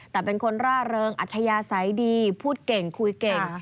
แต่เป็นคนร่าเริงอัธยาศัยดีพูดเก่งคุยเก่ง